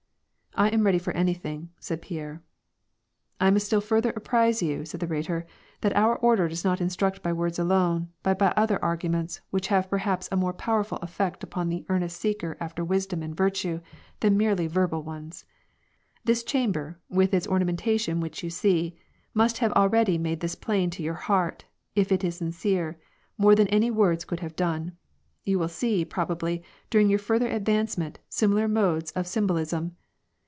" I am reader for anything," said Pierre. " I must still further apprise you," said the Rhetor, " that our order does not instruct by words alone, but by other argu ments which have perhaps a more powerful effect upon the earnest seeker after wisdom and virtue, than merely verbal ones. This chamber, with its ornamentation which you see, must have already made this plain to your heart, if it is sincere, more than any words could have done. You will see, probably, during your further advancement, similar modes of symbol ism.